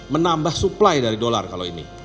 menambah supply dari dolar kalau ini